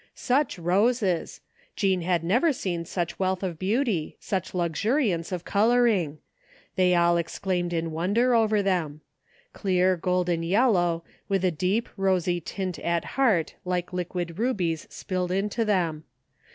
Such roses! Jean had never seen such wealth of beauty, such luxuriance of coloring. They all ex claimed in wonder over them! Clear golden yellow with a deep, rosy tint at heart like liquid rubies spilled into them.